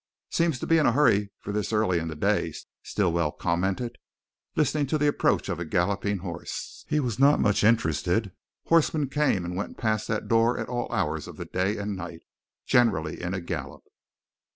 "Seems to be in a hurry for this early in the day," Stilwell commented, listening to the approach of a galloping horse. He was not much interested; horsemen came and went past that door at all hours of the day and night, generally in a gallop.